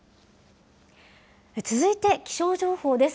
続いて気象情報です。